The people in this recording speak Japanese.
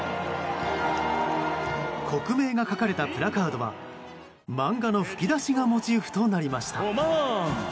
国名が書かれたプラカードは漫画の吹き出しがモチーフとなりました。